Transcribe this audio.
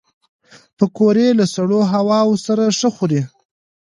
پکورې له سړو هواوو سره ښه خوري